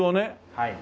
はい。